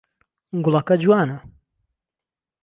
گوڵەکە جوانە.